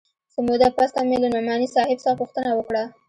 څه موده پس ته مې له نعماني صاحب څخه پوښتنه وکړه.